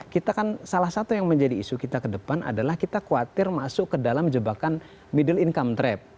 kita kan salah satu yang menjadi isu kita ke depan adalah kita khawatir masuk ke dalam jebakan middle income trap